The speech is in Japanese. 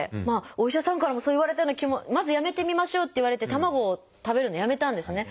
お医者さんからもそう言われたような気もまずやめてみましょうって言われて卵を食べるのをやめたんですね。